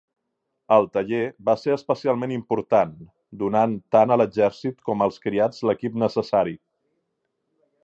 El taller va ser especialment important, donant tant a l'exèrcit com als criats l'equip necessari.